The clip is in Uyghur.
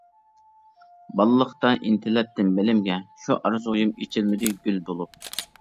-بالىلىقتا ئىنتىلەتتىم بىلىمگە، شۇ ئارزۇيۇم ئېچىلمىدى گۈل بولۇپ.